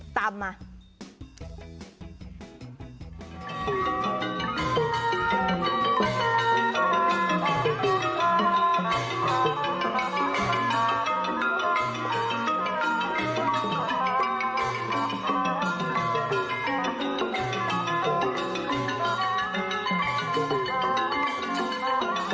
ตามมา